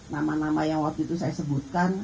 nama nama yang waktu itu saya sebutkan